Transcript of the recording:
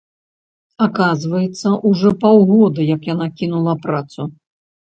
Аказваецца, ужо паўгода, як яна кінула працу!